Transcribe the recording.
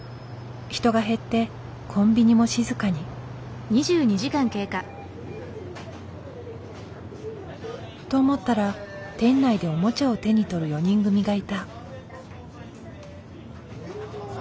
人が減ってコンビニも静かに。と思ったら店内でおもちゃを手に取る４人組がいた。